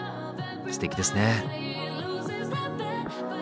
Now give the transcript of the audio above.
すてきですね。